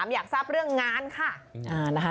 อยากทราบเรื่องงานค่ะ